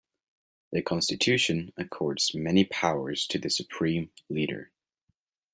The constitution accords many powers to the Supreme Leader.